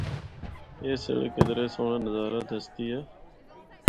اے سڑک کدرے سہنڑا نظارہ دسدی ہے۔